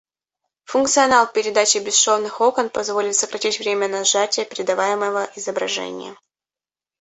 Функционал передачи бесшовных окон позволит сократить время на сжатие передаваемого изображения